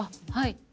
はい。